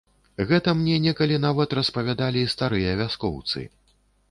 Гэта мне некалі нават распавядалі старыя вяскоўцы.